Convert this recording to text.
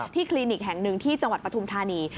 คลินิกแห่งหนึ่งที่จังหวัดปฐุมธานี